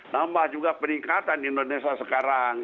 nambah juga peningkatan indonesia sekarang